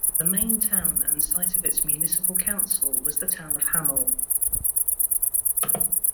The main town and site of its municipal council was the town of Hammel.